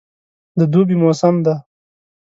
د دوبي موسم دی.